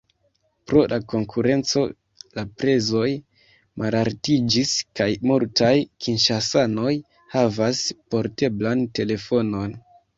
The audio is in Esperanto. Pro la konkurenco la prezoj malaltiĝis kaj multaj kinŝasanoj havas porteblan telefonon.